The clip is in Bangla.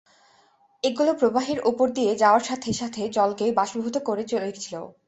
এগুলি প্রবাহের উপর দিয়ে যাওয়ার সাথে সাথে জলকে বাষ্পীভূত করে চলেছিল।